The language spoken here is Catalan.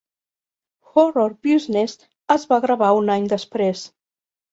"Horror Business" es va gravar un any després.